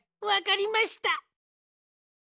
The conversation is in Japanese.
わかりました！